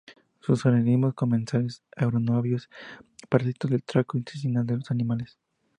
Son organismos comensales anaerobios, parásitos del tracto intestinal de los animales.